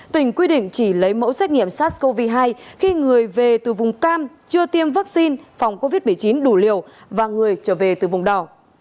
tỉnh quy định chỉ lấy mẫu xét nghiệm sars cov hai khi người về từ vùng cam chưa tiêm vaccine phòng covid một mươi chín đủ liều và người trở về từ vùng đỏ